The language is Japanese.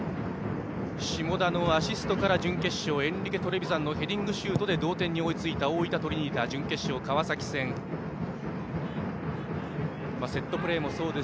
下田のアシストから準決勝はエンリケ・トレヴィザンのヘディングシュートで同点に追いついた大分トリニータ準決勝の川崎戦です。